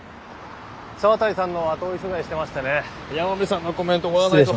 沢渡さんの後追い取材してましてね山辺さんのコメントもらわないと。